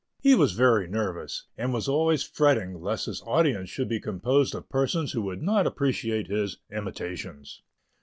He was very nervous, and was always fretting lest his audience should be composed of persons who would not appreciate his "imitations."